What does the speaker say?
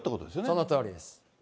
そのとおりです。